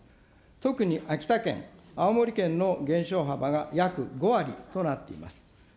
特に秋田県、青森県の減少幅が約５割となっています。